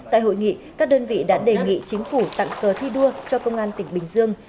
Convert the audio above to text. tại hội nghị các đơn vị đã đề nghị chính phủ tặng cờ thi đua cho công an tỉnh bình dương